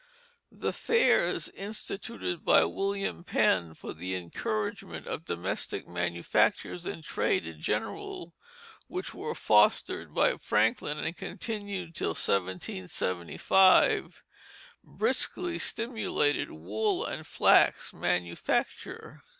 The fairs instituted by William Penn for the encouragement of domestic manufactures and trade in general, which were fostered by Franklin and continued till 1775, briskly stimulated wool and flax manufacture.